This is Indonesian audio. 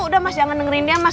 udah mas jangan dengerin dia mas